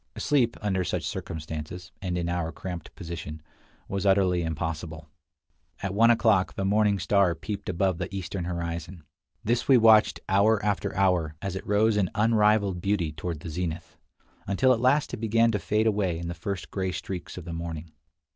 Sleep, under such circumstances, and in our cramped position, was utterly impossible. At one o'clock the morning star peeped above the eastern horizon. This we watched hour after hour, as it rose in unrivaled beauty toward the zenith, until at last it began to fade away in the first gray streaks of the morning.